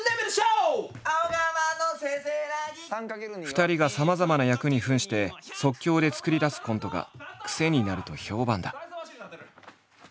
二人がさまざまな役に扮して即興で作り出すコントがクセになると評判だ。